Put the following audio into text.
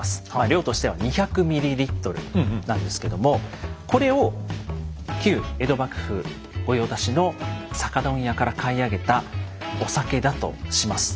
量としては２００ｍｌなんですけどもこれを旧江戸幕府御用達の酒問屋から買い上げたお酒だとします。